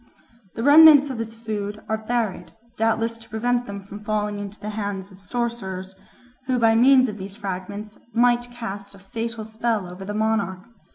The remnants of his food are buried, doubtless to prevent them from falling into the hands of sorcerers, who by means of these fragments might cast a fatal spell over the monarch.